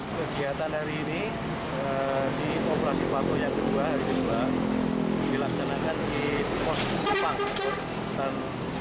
kegiatan hari ini di populasi patuh yang kedua hari kedua dilaksanakan di pos depan